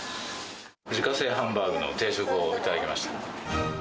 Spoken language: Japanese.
自家製ハンバーグの定食を頂きました。